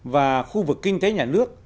và khu vực kinh tế nhà nước